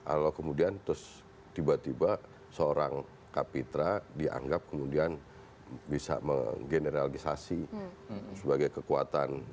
kalau kemudian terus tiba tiba seorang kapitra dianggap kemudian bisa menggeneralisasi sebagai kekuatan dua ratus dua belas